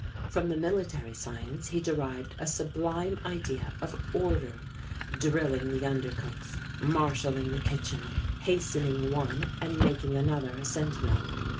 From the military science he derived a sublime idea of order; drilling the under cooks, marshalling the kitchen, hastening one, and making another a sentinel.